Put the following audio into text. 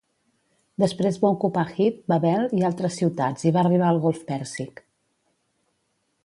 Després va ocupar Hit, Babel i altres ciutats i va arribar al golf pèrsic.